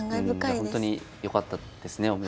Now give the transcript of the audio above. ほんとによかったですね。